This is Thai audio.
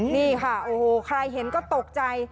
นี่ค่ะโอ้โหใครเห็นก็ตกใจ